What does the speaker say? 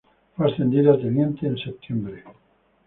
Fue ascendido a teniente en setiembre.